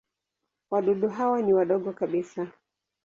Wadudu hawa ni wadogo kabisa.